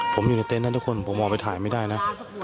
ผมอยู่ในเต็นต์นั้นทุกคนผมออกไปถ่ายไม่ได้นะ